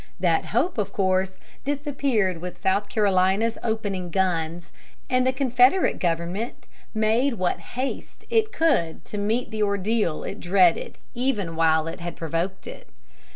That hope, of course, disappeared with South Carolina's opening guns, and the Confederate government made what haste it could to meet the ordeal it dreaded even while it had provoked it.